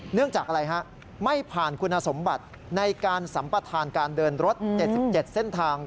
เนื่องจากอะไรฮะไม่ผ่านคุณสมบัติในการสัมปทานการเดินรถ๗๗เส้นทาง